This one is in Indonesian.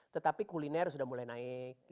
tetapi kuliner sudah mulai naik